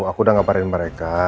aku udah ngabarin mereka